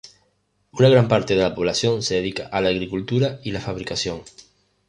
Una gran parte de la población se dedica a la agricultura y fabricación.